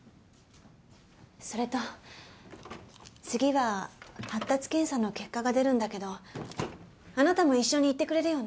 それと次は発達検査の結果が出るんだけどあなたも一緒に行ってくれるよね？